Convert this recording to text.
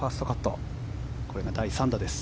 これが第３打です。